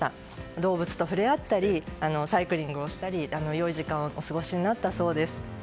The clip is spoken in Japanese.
動物と触れ合ったりサイクリングをしたり良い時間をお過ごしになったそうです。